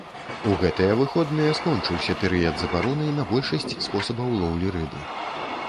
У гэтыя выходныя скончыўся перыяд забароны на большасць спосабаў лоўлі рыбы.